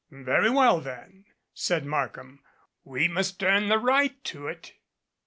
"Very well then," said Markham. "We must earn the right to it."